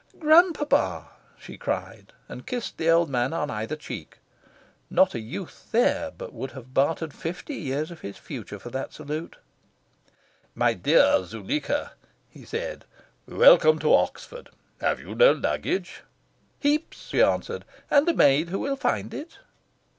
"Grandpapa!" she cried, and kissed the old man on either cheek. (Not a youth there but would have bartered fifty years of his future for that salute.) "My dear Zuleika," he said, "welcome to Oxford! Have you no luggage?" "Heaps!" she answered. "And a maid who will find it."